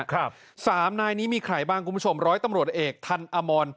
สามนายนี้มีใครบ้างคุณผู้ชมร้อยตำรวจเอกทันอมร